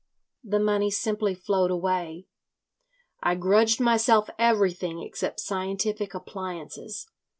The money simply flowed away. I grudged myself everything except scientific appliances.